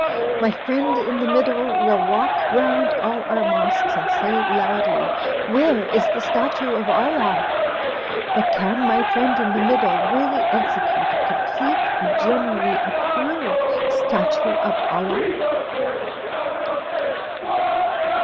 My friend in the middle will walk rotmd all our mosques and say loudly, 'Where is the statue of Allah?' But can my friend in the middle really execute a complete and generally approved statue of Allah?"